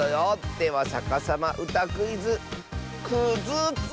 では「さかさまうたクイズ」くづつ。